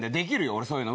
俺そういうの。